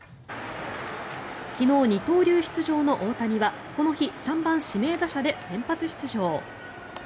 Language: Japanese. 昨日、二刀流出場の大谷はこの日、３番指名打者で先発出場。